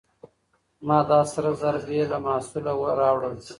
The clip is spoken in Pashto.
ما دا سره زر بې له محصوله راوړل.